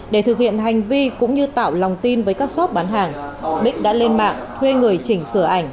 để thực hiện hành vi cũng như tạo lòng tin với các shop bán hàng bích đã lên mạng thuê người chỉnh sửa ảnh